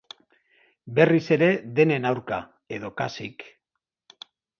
Berriz ere denen aurka, edo kasik.